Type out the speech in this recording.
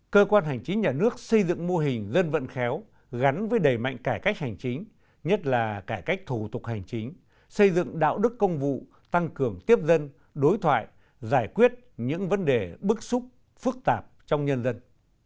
cơ quan hành chính nhà nước xây dựng mô hình dân vận khéo gắn với đầy mạnh cải cách hành chính nhất là cải cách thủ tục hành chính xây dựng đạo đức công vụ tăng cường tiếp dân đối thoại giải quyết những vấn đề bức xúc phức tạp trong nhân dân